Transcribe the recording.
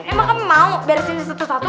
emang kan mau beresin satu satu